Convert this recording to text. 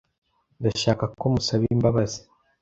Ndashaka ko musaba imbabazi .